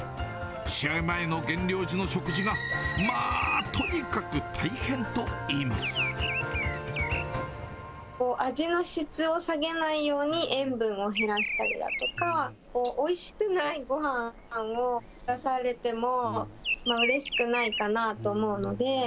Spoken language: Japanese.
試合前の減量時の食事がまあ、味の質を下げないように、塩分を減らしたりだとか、おいしくないごはんを出されても、うれしくないかなと思うので。